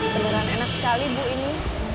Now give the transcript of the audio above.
beneran enak sekali bu ini